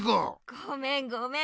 ごめんごめん。